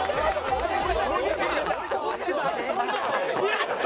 やった！